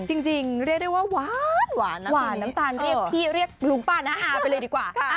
จริงเรียกได้ว่าหวานน้ำตาลเรียกพี่เรียกลุงป้าน้าฮาไปเลยดีกว่า